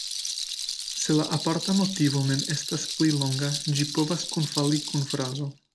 Se la aparta motivo mem estas pli longa, ĝi povas kunfali kun frazo.